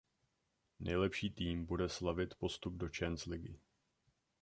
Nejlepší tým bude slavit postup do Chance ligy.